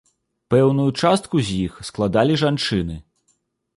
Пэўную частку з іх складалі жанчыны.